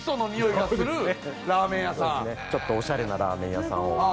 ちょっとオシャレなラーメン屋さんを。